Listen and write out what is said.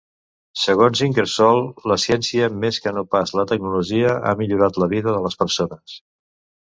Segons Ingersoll, la ciència més que no pas la tecnologia ha millorat la vida de les persones.